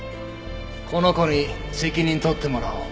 この子に責任取ってもらおう。